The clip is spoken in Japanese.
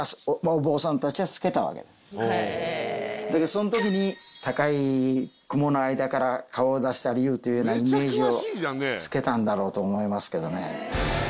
その時に高い雲の間から顔を出した龍というようなイメージを付けたんだろうと思いますけどね。